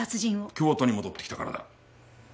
京都に戻ってきたからだ。